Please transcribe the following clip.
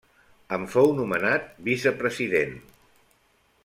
En fou nomenat vicepresident.